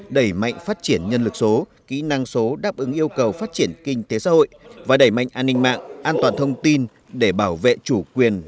đẩy mạnh phát triển nhân lực số kỹ năng số đáp ứng yêu cầu phát triển kinh tế xã hội và đẩy mạnh an ninh mạng an toàn thông tin để bảo vệ chủ quyền